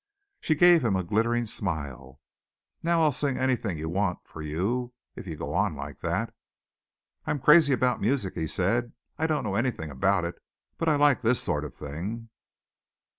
She gave him a glittering smile. "Now I'll sing anything you want for you if you go on like that." "I'm crazy about music," he said; "I don't know anything about it, but I like this sort of thing."